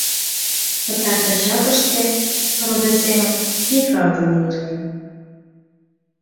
Пытартыш жапыште родо семын Микал дене илен.